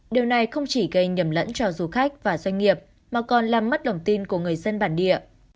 điều này không chỉ gây nhầm lẫn cho du khách và doanh nghiệp mà còn làm mất đồng tin của người dân bản địa